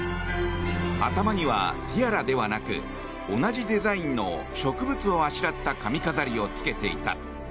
頭には、ティアラではなく同じデザインの植物をあしらった髪飾りをつけていた。